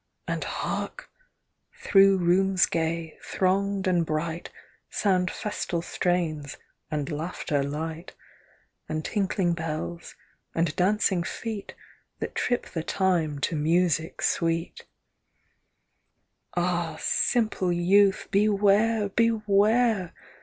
And, hark ! through rooms gay, throng'd, and bright Sound festal strains and laughter light ; And tinkling bells and dancing feet That trip the time to music sweet. 208 TEMPERANCE PIECES. Ah, simple youth I beware, beware